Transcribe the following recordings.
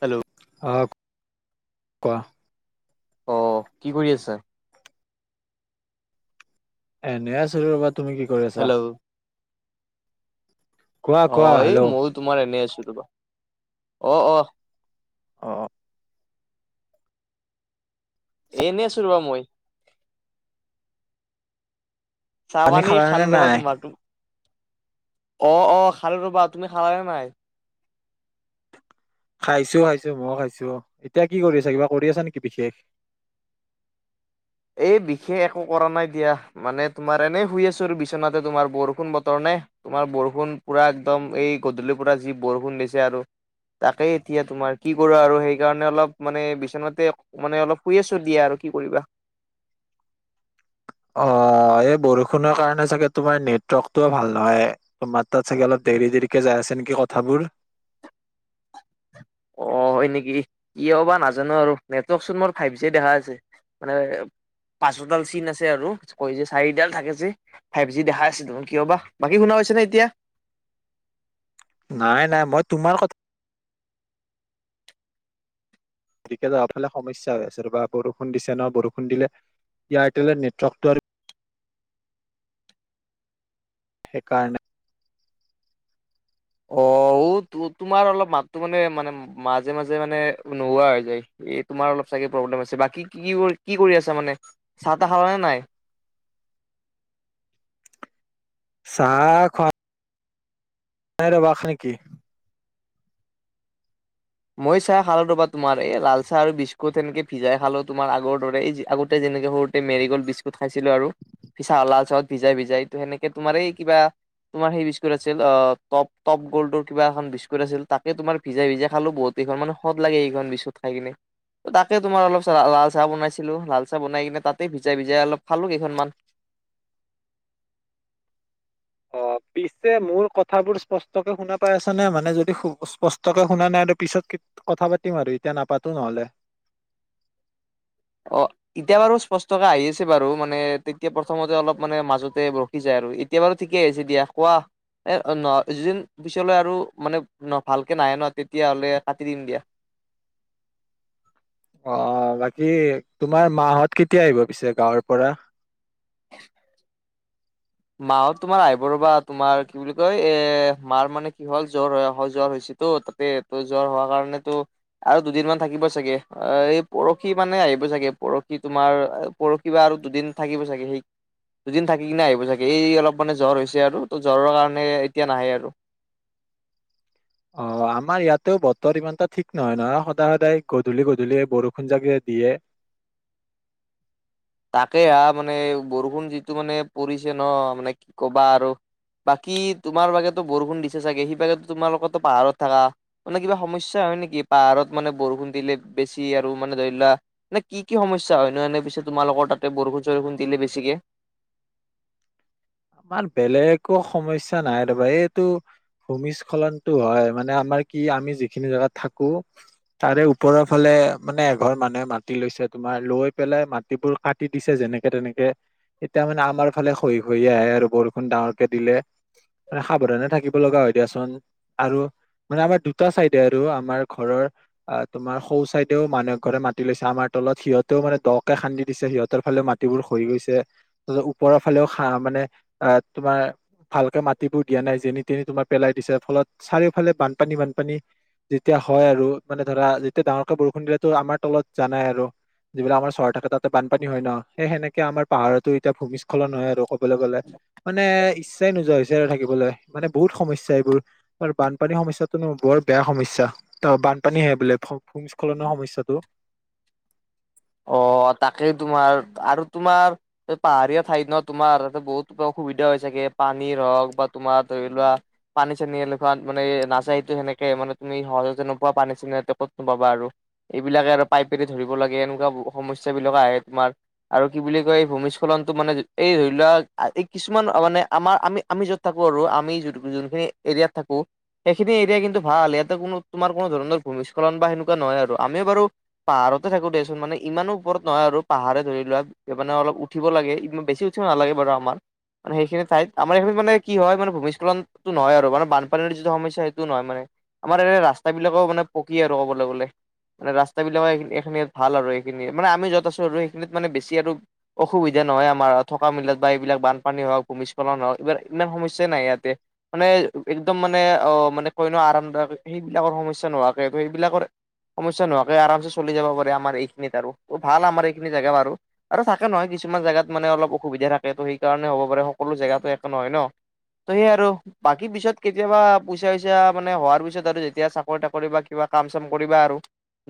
Hello. অ কোৱা? অ কি কৰি আছা? এনেই আছো ৰবা তুমি কি কৰি আছা? হেল্ল' কোৱা কোৱা অ' এই হেল্ল' মইয়ো তোমাৰ এনে আছো তোপা অ অ। অ অ। এনেই আছো ৰবা মই। চাহ পানী খালানে নে খালো ৰবা নাই? তোমাৰ, অ অ খালো ৰবা তুমি খালানে নাই? খাইছো খাইছো। মই খাইছো এতিয়া কি কৰি আছা কিবা কৰি আছা নেকি বিশেষ? এই বিশেষ একো কৰা নাই দিয়া। মানে তোমাৰ এনেই শুই আছো আৰু বিছনাতে তোমাৰ বৰষুণ বতৰ নে। তোমাৰ বৰষুণ পুৰা একদম এই গধূলিৰ পৰা যি বৰষুণ দিছে আৰু। তাকে এতিয়া তোমাৰ কি কৰো আৰু সেইকাৰণে অলপ মানে বিচনাতে। মানে অলপ শুই আছো দিয়া আৰু কি কৰিবা। অ' এই বৰষুণৰ কাৰণে চাগে তোমাৰ নেটৱৰ্ক টোও ভাল নহয়। তো মাত তাত চাগে অলপ দেৰি দেৰিকে যাই আছে নেকি কথাবোৰ। অ' হয় নেকি কিয় বা নাজানো আৰু নেটৱৰ্ক চোন মোৰ ফাইভ জি দেখাই আছে। মানে পাঁচডাল চিন আছে আৰু কৈ যে চাৰিডাল থাকে যে। ফাইভ যি দেখাই আছে দেখোন কিয় বা বাকী শুনা পাইছে নে এতিয়া। নাই নাই, মই তোমাৰ কথা। গতিকে যাব ফালে সমস্যা হৈ আছে ৰবা বৰষুণ দিছে ন বৰষুণ দিলে এয়াৰটেলৰ নেটৱৰ্কটো আৰু। সেইকাৰণে। অ উ তোমাৰ অলপ মাতো মানে মানে মাজে মাজে মানে নোহোৱা হৈ যায়। এ তোমাৰ অলপ চাগে প্ৰব্লেম আছে বাকী কি কৰি কি কৰি আছা মানে চাহ তাহ খালা নে নাই? চাহ খোৱা। নাই ৰবাখা নেকি [unintelligible] মই চাহ খালো ৰ'বা তোমাৰ এই লাল চাহ আৰু বিস্কুট সেনেকে ভিয়াই খালো তোমাৰ আগৰ দৰে এই আগতে যেনেকে সৰু তে মেৰি গল্ড বিস্কুট খাইছিলো আৰুি চালাল চাহত ভিজাই ভিজাই ত সেনেকে তোমাৰ এই কিবা। তোমাৰ সেই বিস্কুট আছিল অ টপটপ গ'ল্ডৰ কিবা এখন বিস্কুট আছিল তাকে তোমাৰ ভিজাই ভিজা। খালো বহুতকেইখন মানে হত লাগে এইখন বিস্কুট খাই কিনে। ত তাকে তোমাৰ অলপ লাল চাহ বনাইছিলো লাল চাহ বনাই কিনে তাতে ভিজাই ভিজাই অলপ খালো কেইখনমান অ', [unintelligible] পিছে মোৰ কথাবোৰ স্পষ্টকে শুনা পাই আছা নে, মানে যদি স্পষ্টকে শুনা নাই টো পিছতকে। কথা পাতিম আৰু এতিয়া নাপাতো নহ'লে। অ। এতিয়া বাৰু স্পষ্টকে আহি আছে বাৰু মানে তেতিয়া প্ৰথমতে অলপ মানে মাজতে ৰখি যায় আৰু। এতিয়া বাৰু ঠিকেই আহিছে দিয়া কোৱা। এই ন যদিন পিছলৈ আৰু মানে ভালকৈ নাহে ন তেতিয়াহ'লে কাটি দিম দিয়া। অ বাকী তোমাৰ মাহত কেতিয়া আহিব পিছে গাঁৱৰ পৰা। মাহত তোমাৰ আহিব ৰবা তোমাৰ কি বুলি কয় এ মাৰ মানে কি হল জ্বৰ হৈ জ্বৰ হৈছে তো তা তে জ্বৰ হোৱাৰ কাৰণেতো। আৰু দুদিনমান থাকিব চাগে এই পৰখি মানে আহিব চাগে পৰখি তোমাৰ। পৰহিবা আৰু দুদিন থাকিব চাগে সেই দুদিন থাকি কিনে আহিব চাগে। এই অলপ মানে জ্বৰ হৈছে আৰু ত জ্বৰৰ কাৰণে এতিয়া নাহে আৰু। অ আমাৰ ইয়াতেও বতৰ ইমান এটা ঠিক নহয় নহয় সদায় সদায় গধূলি গধূলি বৰষুণ জাগে দিয়ে। তাকে হা মানে বৰষুণ যিটো মানে পৰিছে ন মানে কি কবা আৰু। বাকী তোমাৰ বাগেতো বৰষুণ দিছে চাগে সেইফালেতো তোমালোকৰত পাহাৰত থাকা। মানে কিবা সমস্যা হয় নেকি পাহাৰত মানে বৰষুণ দিলে বেছি আৰু মানে ধৰি লোৱা। নে কি কি সমস্যা হয় নো এনে পিছে তোমালোকৰ তাতে বৰষুণ চৰষুণ দিলে বেছিকে? ইমান বেলেগো সমস্যা নাই ৰবা এইটো। ভূমিস্খলনটো হয় মানে আমাৰ কি আমি যিখিনি জেগাত থাকো। তাৰে ওপৰৰ ফালে মানে এঘৰ মানুহে মাটি লৈছে তোমাৰ লৈ পেলাই মাটিবোৰ কাট। দি দিছে যেনেকে তেনেকে এতিয়া মানে আমাৰ ফালে খহি খহি আহে আৰু বৰষুণ ডাঙৰকে দিলে। মানে সাৱধানে থাকিব লগা হয় দিয়াচোন আৰু। মানে আমাৰ দুটা চাইডে আৰু আমাৰ ঘৰৰ আহ তোমাৰ সৌ চাইদেও মানহে ঘৰে মাতি লৈছে আমাৰ তলত সিহঁতেও দকে খান্দি দিছে সিহতৰ ফালেও মা- টিবোৰ খহি গৈছে, জ ওপৰৰ ফালেও খা মানে আহ তোমাৰ ভালকে মাটিবোৰ দিয়া নাই যেনি তেনি তোমাৰ পেলাই দিছে ফলত চাৰিওফালে বানপানী বানপানী। যেতিয়া হয় আৰু মানে ধৰা যেতিয়া ডাঙৰকে বৰষুণ দিলেতো আমাৰ তলত জানাই আৰু। যিবিলাক আমাৰ চহৰ থাকে তাতে বানপানী হয় ন সেই সেনেকে আমাৰ পাহাৰতো এতিয়া ভূমিস্খলন হয় আৰু ক'বলে গলে। মানে ইচ্ছাই নোযোৱা হৈছে আৰু থাকিবলে মানে বহুত সমস্যা এইবোৰ। আৰু বানপানীৰ সমস্যাটোনো বৰ বেয়া সমস্যা ত বানপানী আহি বোলে ভূমিস্খলনৰ সমস্যাটো। অ তাকেই তোমাৰ আৰু তোমাৰ পাহাৰীয়া ঠাইত নহ তোমাৰ তাতে বহুত অসুবিধা হৈ চাগে পানীৰ হওক বা তোমাৰ ধৰি লোৱা পানী চানী এলেখোৱাত মানে এ নাচায়টো সেনেকে মানে তুমি সহজতে নোপোৱা পানী চেনী ত ক'ত নো পাবা আৰু। এইবিলাকে আৰু পাইপেৰে ধৰিব লাগে এনেকুৱা সমস্যা বিলাক আহে তোমাৰ। আৰু কি বুলি কয় এই ভূমিস্খলনটো মানে এই ধৰি লোৱা আজি কিছুমান মানে আমাৰ আমি আমি য'ত থাকো আৰু আমি যো যোনখিনি এৰিয়াত থাকো। সেইখিনি এৰিয়া কিন্তু ভাল ইয়াতে কোনো তোমাৰ কোনো ধৰণৰ ভূমিস্খলন বা সেনেকুৱা নহয় আৰু। আমিও বাৰু পাহাৰতে থাকো দেচোন মানে ইমানো ওপৰত নহয় আৰু পাহাৰে ধৰি লোৱা। এপানে অলপ উঠিব লাগে ইমান বেছি উঠিব নালাগে বাৰু আমাৰ। মানে সেইখিনি ঠাইত আমাৰ এইখিনি মানে কি হয় ভূমস্খলনটো নহয় আৰু বানপানীৰ যিটো সমস্যা সেটো নহয় মানে। আমাৰ এনে ৰাস্তা বিলাকেও মানে পকী আৰু ক'বলৈ গলে। মানে ৰাস্তা বিলাকে এ এখিনিত ভাল আৰু সেইখিনি মানে আমি য'ত আছোঁ আৰু সেইখিনিত মানে বেছি আৰু অসুবিধা নহয় আমাৰ থকা মেলাত বা এইবিলাক বানপানী হওক ভূমস্খলন হওক এইবিল ইমান সমস্যাই নাই ইয়াতে। মানে একদম মানে অ মানে কইনো আৰামদায়ক সেইবিলাকৰ সমস্যা নোহোৱাকে সেইবিলাকৰ সমস্যা নোৱাকে আৰামছে চলি যাব পাৰে আমাৰ এইখিনিত আৰু ভাল আমাৰ এইখিনি জেগা বাৰু। আৰু থাকে নহয় কিছুমান জেগাত মানে অলপ অসুবিধা থাকে তো সেইকাৰণে হ'ব পাৰে সকলো জেগাতটো একো নহয় ন। তহে আৰু। বাকী পিছত কেতিয়াবা পইচা চইচা মানে হোৱাৰ পিছত আৰু যেতিয়া চাকৰি তাকৰি বা কিবা কাম চাম কৰিবা আৰু।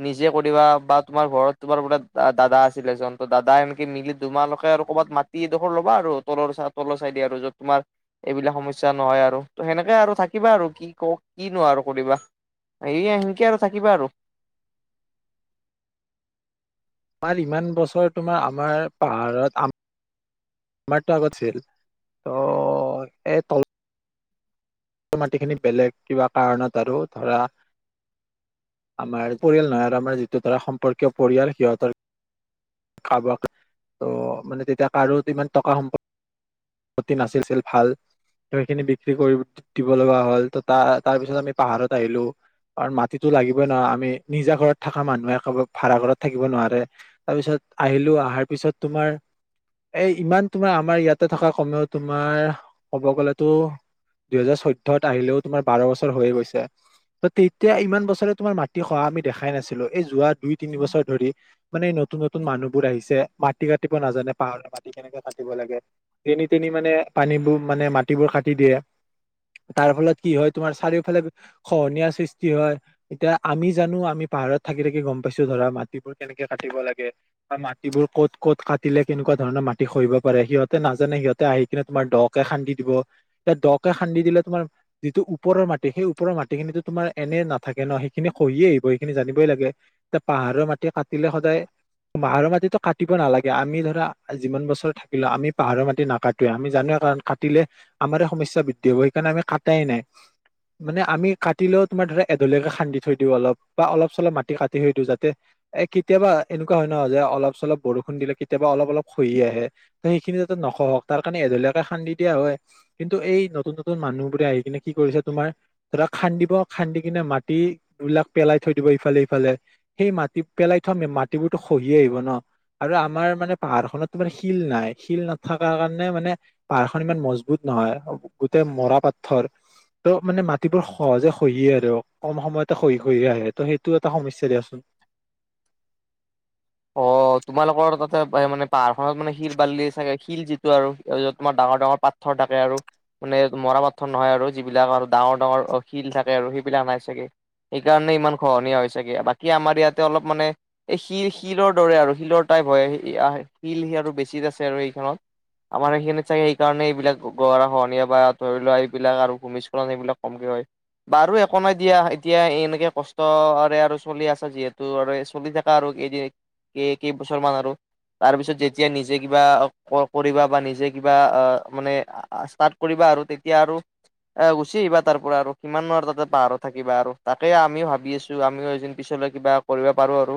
নিজে কৰিবা বাট তোমাৰ ঘৰত তোমাৰ বৰাত দাদা আছিলে এজন, দাদা সনেকি মিলি তোমালোকে আৰু ক'ৰবাত মাট- টিডোখৰ ল'বা আৰু তলৰ তলৰ চাই দিয়া আৰু য'ত তোমাৰ এইবিলাক সমস্যা নহয় আৰু ত সেনেকে আৰু থাকিবা আৰু কি ক‌ও কি নো আৰু কৰিবা। এইয়ে সেনকে আৰু থাকিবা আৰু। তোমাৰ ইমান বছৰ তোমাৰ আমাৰ পাহাৰত আম- তোমাৰটো আগত ছিল ত এ তল- মাটি খিনি বেলেগ কিবা কাৰণত আৰু ধৰা আমাৰ পৰিয়াল নহয় আৰু আমাৰ যিটো ধৰা সম্পৰ্কীয় পৰিয়াল সিহঁতৰ কাবাকে ত মানে তেতিয়া কাৰো ইমান টকা সম্প- পত্তি নাছিল ছিল ভাল ত সেইখিনি বিক্ৰী কৰি দিব লগা হ'ল ত তাৰ পিছত আমি পাহাৰত আহিলো। কাৰণ মাটিতো লাগিবই না আমি নিজা ঘৰত থকা মানুহে কবাক ভাড়া ঘৰত থাকিব নোৱাৰে। তাৰ পিছত আহিলো আহাৰ পিছত তোমাৰ এ ইমান তোমাৰ আমাৰ ইয়াতে থকা সময়ত তোমাৰ ক'ব গলে টো দুহেজাৰ চৈধ্যত আহিলেও তোমাৰ বাৰ বছৰ হৈয়ে গৈছে। ত' তেতিয়া, ইমান বছৰে, তোমাৰ মাটি খহা আমি দেখাই নাছিলোঁ। এই, যোৱা দুই- তিনি বছৰ ধৰি। মানে, নতুনত নতুন মানুহবোৰ আহিছে। মাটি কাটিব নাজানে, পাহাৰৰ মাটি কেনেকে কাটিব লাগে। যেনি তেনি মানে পানীবোৰ মানে মাটিবোৰ কাটি দিয়ে। তাৰ ফলত কি হয় তোমাৰ চাৰিওফালে খহনীয়াৰ সৃষ্টি হয়। এতিয়া আমি জানো আমি পাহাৰত থাকি থাকি গম পাইছো ধৰা মাটিবোৰ কেনেকে কাটিব লাগে। বা মাটিবোৰ, ক'ত ক'ত কাটিলে, কেনেকুৱা ধৰণৰ, মাটি খহিব পাৰে। সিহঁতে, না যেনে, সিহঁতে আহি কিনে, তোমাৰ দ কে খান্দি দিব। তেতিয়া, দকে খান্দি দিলে, তোমাৰ যিটো ওপৰৰ মাটি সেই, ওপৰ মাটিখিনিতো, তোমাৰ এনে নাথাকে ন'! সেইখিনি খহিয়ে আহিব। সেইখিনি জানিবই লাগে। এ, পাহাৰৰ মাটি কাটিলে, সদায় পাহাৰৰ মাটিটো কাটিব নালাগে। আমি ধৰা, যিমান বছৰ থাকিলোঁ। আমি পাহাৰৰ মাটি নাকাটোৱে। আমি জানোৱেই কাৰণ, কাটিলে আমাৰ সমস্যা বৃদ্ধি হ'ব। সেইকাৰণে, আমি কাটাই নাই। মানে, আমি কাটিলেও তোমাৰ ধৰা, এডলীয়কে খান্দি থৈ দিওঁ অলপ বা অলপ- চলপ মাটি, কাটি থৈ দিওঁ। যাতে, এ, কেতিয়াবা এনেকুৱা হয় ন'! যে, অলপ- চলপ বৰষুণ দিলে, কেতিয়াবা অলপ-অলপ খহি আহে। ত' সেইখিনি নহওঁক। তাৰকাৰণে, এঢলীয়াকে খান্দি দিয়া হয়। কিন্তু, এই নতুন- নতুন মানুহবোৰে আহি কিনে, কি কৰিছে তোমাৰ ধৰা, খান্দিব। খান্দি কিনে, মাটি [unintelligible] পেলাই থৈ দিব, ইফালে- সিফালে। সেই, মাটি পেলাই থোৱা মাটিবোৰতো, খহিয়ে আহিব ন'? আৰু আমাৰ মানে, পাহাৰখনত তোমাৰ শিল নাই। শিল না থাকাৰ কাৰণে মানে, পাহাৰখন ইমান মজবুত নহয়, গোটেই মৰা পাথৰ। ত' মানে, মাটিবোৰ সহজে খহিয়ে আৰু। কম সময়তে খহি, খহিয়ে আহে। ত' সেইটো এটা সমস্যা দিয়াচোন! অ'! তোমালোকৰ তাতে মানে, পাহাৰখনত মানে, শিল-বালি চাগে, শিল যিটো আৰু তোমাৰ য'ত, ডাঙৰ-ডাঙৰ পা [unintelligible] মানে, মৰা পাথৰ নহয় আৰু যিবিলাক আৰু ডাঙৰ- ডাঙৰ শিল থাকে আৰু সেইবিলাক নাই চাগে। সেইকাৰণে, ইমান খহনীয়া হৈ চাগে! বাকী, আমাৰ ইয়াতে অলপ মানে, এই শি শিলৰ দৰে আৰু শিলৰ টাইপ হয়, শিল আৰু বেছিত আছে আৰু সেইখনত। আমাৰ সেইখিনিত চাগে, সেইকাৰণে, এইবিলাক গৰা-খহনীয়া বা ধৰি লোৱা, এইবিলাক আৰু ভূমিস্খলন এইবিলাক কমকে হয়। [unintelligible] বাৰু একো নাই দিয়া। এতিয়া, এনেকে কষ্টৰে আৰু চলি আছা যিহেতু! চলি থাক আৰু কেইদিন, কেইবছৰমান আৰু। তাৰ পিছত, যেতিয়া নিজে, কিবা কৰিবা বা নিজে কিবা অ'! মানে, ষ্টাৰ্ট কৰিবা আৰু তেতিয়া আৰু এ, গুচি আহিবা তাৰ পৰা আৰু। কিমাননো আৰু তাতে, পাহাৰত থাকিবা আৰু। তাকে, আমিও ভাবি আছোঁ। আমিও এদিন, পিছলৈ কিবা কৰিব পাৰোঁ আৰু।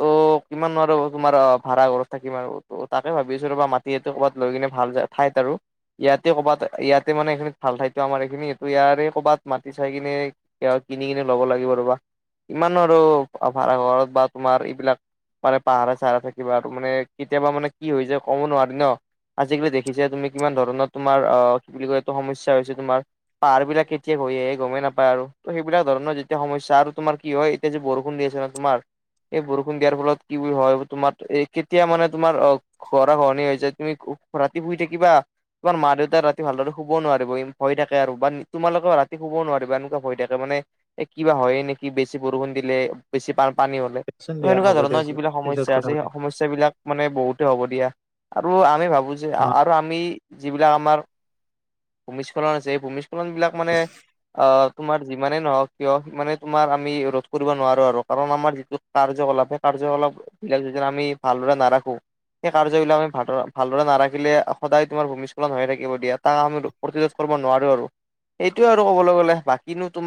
ত'! কিমান আৰু তোমাৰ, ভাড়া ঘৰত থাকিম আৰু। তাকে ভাবিছোঁ! ৰবা, মাটিটো ক'ৰবাত লৈ কিনে, ভাল ঠাইত আৰু। ইয়াতে, ক'ৰবাত ইয়াতে মানে, এইখিনিত ভাল ঠাইটো, আমাৰ এইখিনি। ত' ইয়াৰে কৰ'বাত, মাটি চাই কিনে কিনি কিনি ল'ব লাগিব ৰবা। কিমাননো আৰু ভাড়া ঘৰত বা তোমাৰ বিলাক মানে, পাহাৰে- চাহাৰে থাকিবা আৰু। মানে, কেতিয়াবা মানে, কি হৈ যায়! ক'ব নোৱাৰি ন'। আজিকালি দেখিছাই তুমি! কিমান ধৰণৰ, তোমাৰ আঁ কি বুলি কয়, এইটো সমস্যা হৈছে তোমাৰ। পাহাৰবিলাক, কেতিয়া খহি আহে, গমেই নাপায় আৰু। ত' সেইবিলাক ধৰণৰ, যেতিয়া সমস্যা আৰু তোমাৰ কি হয়, এতিয়া যে, বৰষুণ দি আছে। তোমাৰ এই বৰষুণ বৰষুণ দিয়াৰ ফলত, কি বুলি হয়, তোমাৰ এ, কেতিয়া মানে তোমাৰ, অ'! গৰা খহনীয়া হৈছে। তুমি ৰাতি শুই থাকিবা? তোমাৰ মা-দেউতাই ৰাতি ভালদৰে শুব নোৱাৰিব ভয় থাকে! আৰু বা তোমালোকেও ৰাতি শুব নোৱাৰিবা, এনেকুৱা ভয় থাকে মানে। [unintelligible] এ, কিবা হয়েই নেকি! বেছি বৰষুণ দিলে, বেছি বানপানী হ'লে। দিয়াচোন ত' দিয়া সেনেকুৱা হ'ব ধৰণৰ, দিয়াচোন যিবিলাক পিছত সমস্যা আছে। কথা সেই, পাতিম সমস্যা সমস্যাবিলাক মানে, বহুতে হ'ব দিয়া। আৰু আমি ভাবোঁ যে, অ আৰু আমি যিবিলাক আমাৰ, ভূমিস্খলন আছে, ভূমিস্খলনবিলাক মানে অ'! তোমাৰ যিমানে নহওঁক, কিয়! মানে, তোমাৰ, আমি ৰোধ কৰিব নোৱাৰোঁ আৰু। কাৰণ, আমাৰ যিটো কাৰ্যকলাপ, সেই কাৰ্যকলাপ বিলাক যদি, আমি ভালদৰে নাৰাখো সেই কাৰ্যবিলাক, আমি ভাল, ভালদৰে নাৰাখিলে, সদায় তোমাৰ, ভূমিস্খলন হৈয়ে থাকিব দিয়া। ত' তাক আমি প্ৰতিৰোধ কৰিব নোৱাৰো আৰু সেইটোৱেই আৰু ক'বলৈ গ'লে বাকিনো তো